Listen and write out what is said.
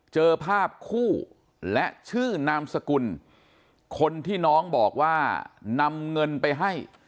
เจอภาพคู่และชื่อนามสกุลคนที่น้องบอกว่านำเงินไปให้